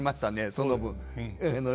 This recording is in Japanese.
その分。